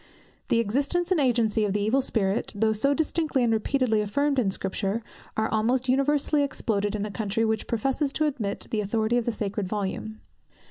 The existence and agency of the Evil Spirit, though so distinctly and repeatedly affirmed in Scripture, are almost universally exploded in a country which professes to admit the authority of the sacred volume.